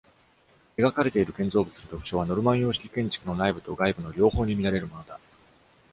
描かれている建造物の特徴は、ノルマン様式建築の内部と外部の両方に見られるものだ。